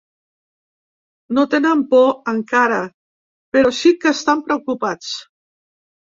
No tenen por, encara, però sí que estan preocupats.